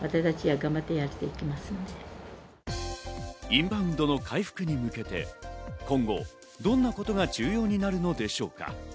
インバウンドの回復に向けて今後、どんなことが重要になるのでしょうか。